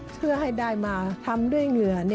เพื่อให้ได้มาทำด้วยเหงื่อ